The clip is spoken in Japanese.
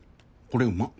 これうまっ。